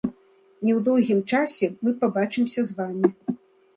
Не ў доўгім часе мы пабачымся з вамі.